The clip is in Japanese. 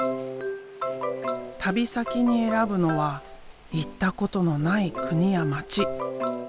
旅先に選ぶのは行ったことのない国や街。